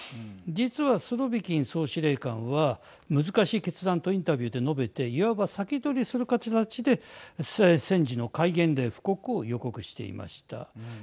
実はスロビキン総司令官は難しい決断とインタビューで述べていわば先取りする形で戦時の戒厳令布告を予告していました。